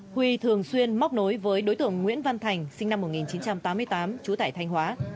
huy thường xuyên móc nối với đối tượng nguyễn văn thành sinh năm một nghìn chín trăm tám mươi tám trú tại thanh hóa